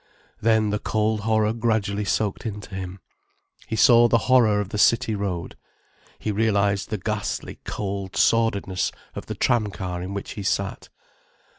Then the cold horror gradually soaked into him. He saw the horror of the City Road, he realized the ghastly cold sordidness of the tram car in which he sat.